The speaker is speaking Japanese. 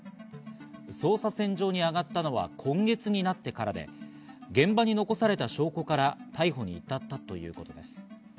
捜査線上に上がったのは今月になってからで、現場に残された証拠から逮捕に至ったということです。